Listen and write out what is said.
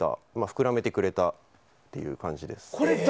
膨らませてくれたという感じです。